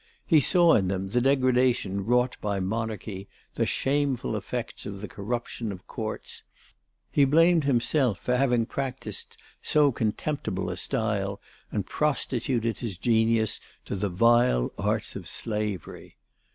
He saw in them the degradation wrought by Monarchy, the shameful effects of the corruption of Courts. He blamed himself for having practised so contemptible a style and prostituted his genius to the vile arts of slavery.